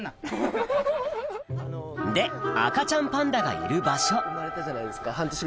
で赤ちゃんパンダがいる場所